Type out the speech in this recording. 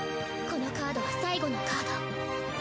このカードは最後のカード。